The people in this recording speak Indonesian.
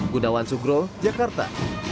gunawan sugro jakarta